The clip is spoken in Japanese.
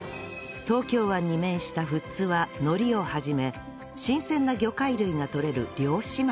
東京湾に面した富津は海苔を始め新鮮な魚介類がとれる漁師町